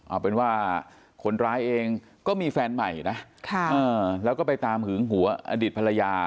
เอาเป็นว่าคนร้ายเองก็มีแฟนใหม่นะแล้วก็ไปตามหึงหัวอดีตภรรยา